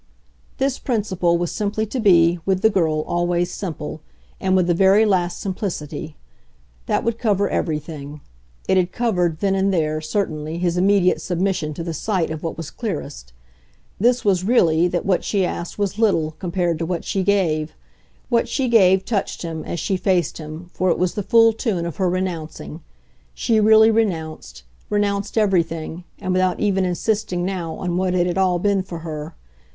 This principle was simply to be, with the girl, always simple and with the very last simplicity. That would cover everything. It had covered, then and there, certainly, his immediate submission to the sight of what was clearest. This was, really, that what she asked was little compared to what she gave. What she gave touched him, as she faced him, for it was the full tune of her renouncing. She really renounced renounced everything, and without even insisting now on what it had all been for her.